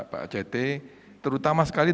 pak cethe terutama sekali